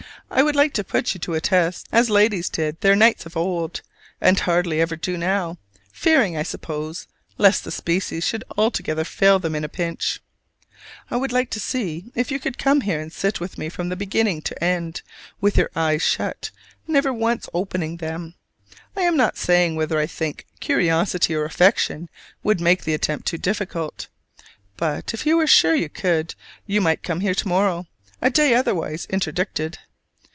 I would like to put you to a test, as ladies did their knights of old, and hardly ever do now fearing, I suppose, lest the species should altogether fail them at the pinch. I would like to see if you could come here and sit with me from beginning to end, with your eyes shut: never once opening them. I am not saying whether I think curiosity, or affection, would make the attempt too difficult. But if you were sure you could, you might come here to morrow a day otherwise interdicted.